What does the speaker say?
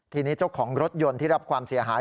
ทีนี้เจ้าของรถยนต์ที่รับความเสียหาย